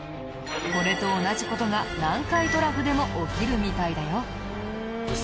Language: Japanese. これと同じ事が南海トラフでも起きるみたいだよ。